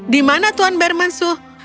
di mana tuan berman sue